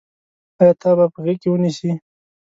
آیا تا به په غېږ کې ونیسي.